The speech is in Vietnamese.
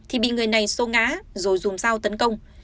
thì bị người này xô ngá rồi dùm sao tấn công